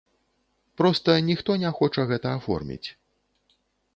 Проста ніхто не хоча гэта аформіць.